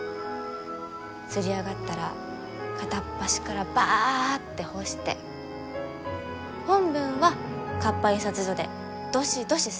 刷り上がったら片っ端からバッて干して本文は活版印刷所でどしどし刷って。